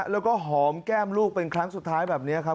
แล้วก็หอมแก้มลูกเป็นครั้งสุดท้ายแบบนี้ครับ